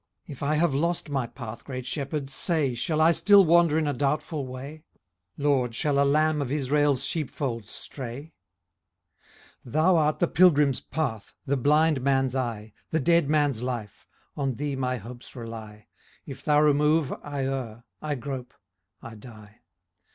If I have lost my path, great Shepherd, say, Shall I still wander in a doubtful way ? LORD, shall a lamb of Isr'el's sheep fold stray ? QuarleJ Emblems. \6\ Thou art the pilgrim's path, the blind man' The dead man's life : on thee my hopes rely ; If thou remove, I err, I grope, ' die.